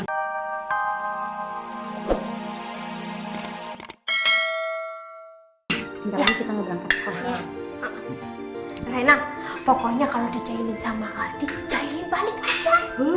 reina pokoknya kalau dicairin sama adi cairin balik aja